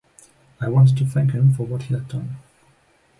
I wanted to thank him for what he had done.